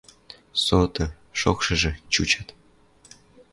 Соты, шокшыжы — чучат.